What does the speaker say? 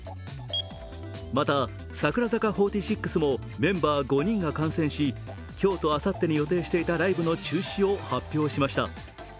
また、櫻坂４６もメンバー５人が感染し今日とあさってに予定していたライブの中止を発表しました。